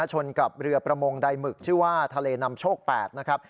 ชนกับเรือประมงใดหมึกชื่อว่าทะเลนำโชค๘นะครับ